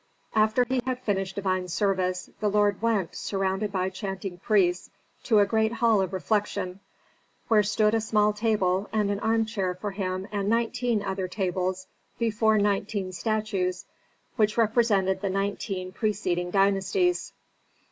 After he had finished divine service, the lord went, surrounded by chanting priests to a great hall of refection, where stood a small table and an armchair for him and nineteen other tables before nineteen statues which represented the nineteen preceding dynasties.